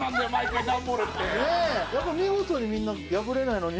見事にみんな破れないのに。